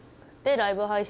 ライブ配信？